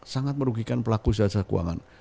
sangat merugikan pelaku jasa keuangan